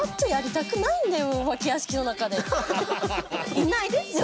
いないですよ